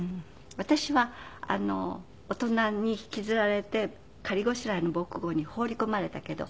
私は大人に引きずられて仮ごしらえの防空壕に放り込まれたけど。